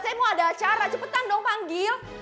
saya mau ada acara cepetan dong panggil